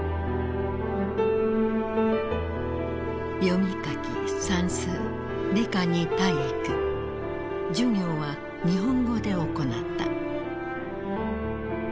読み書き算数理科に体育授業は日本語で行った。